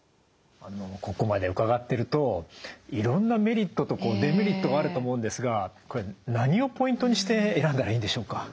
あのここまで伺ってるといろんなメリットとデメリットがあると思うんですがこれ何をポイントにして選んだらいいんでしょうか？